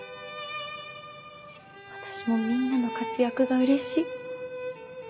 私もみんなの活躍が嬉しい。